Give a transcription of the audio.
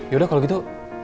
yaudah kalau gitu